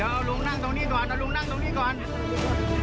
อ้าวช่วยกันช่วยกันเหยียบแล้วโทรหลุงเหยียบแล้วโทรเหยียบแล้วโทร